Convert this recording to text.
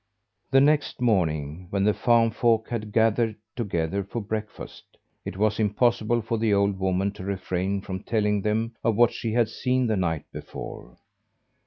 The next morning, when the farm folk had gathered together for breakfast, it was impossible for the old woman to refrain from telling them of what she had seen the night before.